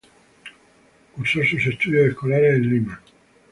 Cursó sus estudios escolares en Lima.